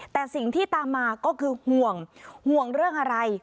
แต่สิ่งที่ตามมาก็คือห่วงห่วงเรื่องอะไร